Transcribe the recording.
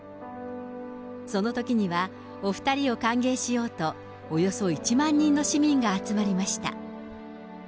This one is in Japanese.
そのときには、お２人を歓迎しようとおよそ１万人の市民が集まりました。